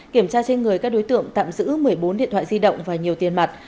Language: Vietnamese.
kiểm tra trên người các đối tượng tạm giữ một mươi bốn điện thoại di động và nhiều tiền mặt